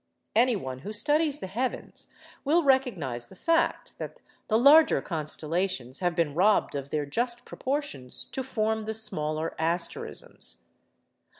Anyone who studies the heavens will recognise the fact that the larger constellations have been robbed of their just proportions to form the smaller asterisms.